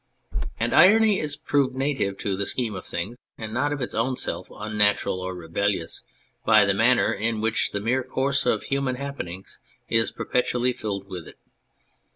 And irony is proved native to the scheme of things and not of its own self unnatural or rebel lious by the manner in which the mere course of human happenings is perpetually filled with it.